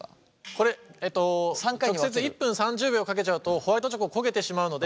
これえと直接１分３０秒かけちゃうとホワイトチョコ焦げてしまうので。